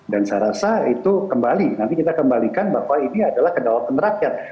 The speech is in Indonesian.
dan saya rasa itu kembali nanti kita kembalikan bahwa ini adalah kedalaman rakyat